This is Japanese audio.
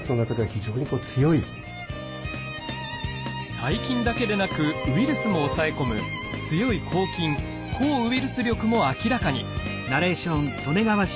細菌だけでなくウイルスも抑え込む強い抗菌抗ウイルス力も明らかに！